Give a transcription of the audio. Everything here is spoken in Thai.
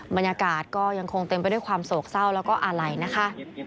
บรรยากาศก็ยังคงเต็มไปด้วยความโศกเศร้าแล้วก็อาลัยนะคะ